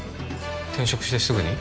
転職してすぐに？